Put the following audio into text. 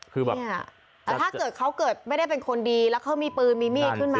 แต่ถ้าเกิดเขาเกิดไม่ได้เป็นคนดีแล้วเขามีปืนมีมีดขึ้นมาเนี่ย